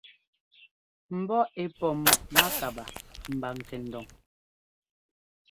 Mbɔ́ ɛ́ pɔ mákabaa mba kɛndon.